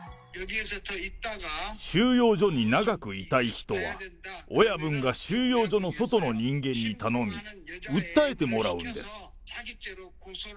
収容所に長くいたい人は、親分が収容所の外の人間に頼み、訴えてもらうんです。